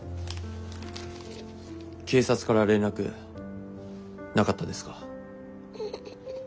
警察から連絡なかったですか？